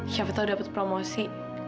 siapa tahu dapet promosi